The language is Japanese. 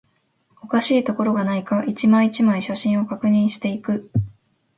おかしいところがないか、一枚、一枚、写真を確認していく